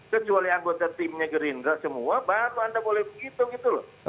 kecuali anggota timnya gerindra semua baru anda boleh begitu gitu loh